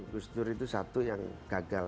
gus dur itu satu yang gagal